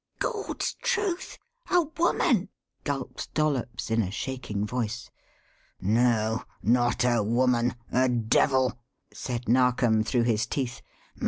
"Gawd's truth a woman!" gulped Dollops in a shaking voice. "No, not a woman a devil!" said Narkom through his teeth.